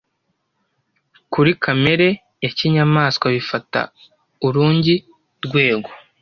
kuri kamere ya kinyamaswa bifata urungi rwego